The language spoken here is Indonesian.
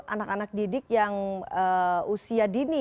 anak anak didik yang usia dini